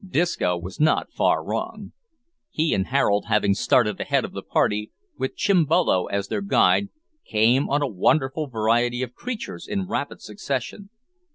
Disco was not far wrong. He and Harold having started ahead of the party, with Chimbolo as their guide, came on a wonderful variety of creatures in rapid succession.